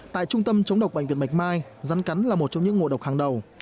tại trung tâm chống độc bệnh viện bạch mai rắn cắn là một trong những ngộ độc hàng đầu